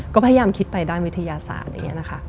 ก็พยายามคิดไปด้านวิทยาศาสตร์